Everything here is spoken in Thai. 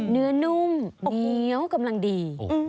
เนื้อนุ่มเหนียวกำลังดี